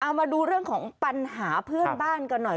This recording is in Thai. เอามาดูเรื่องของปัญหาเพื่อนบ้านกันหน่อย